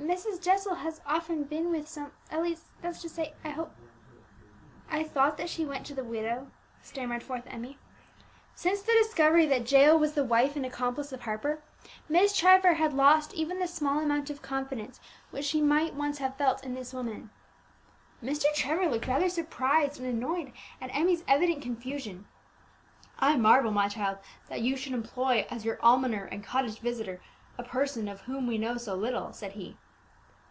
"Mrs. Jessel has often been with some at least that's to say I hoped I thought that she went to the widow," stammered forth Emmie. Since the discovery that Jael was the wife and accomplice of Harper, Miss Trevor had lost even the small amount of confidence which she might once have felt in this woman. Mr. Trevor looked rather surprised and annoyed at Emmie's evident confusion. "I marvel, my child, that you should employ as your almoner and cottage visitor a person of whom we know so little," said he.